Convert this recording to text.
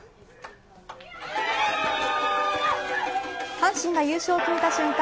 阪神が優勝を決めた瞬間